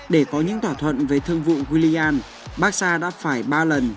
để có những thỏa thuận về thương vụ willian baxa đã phải ba lần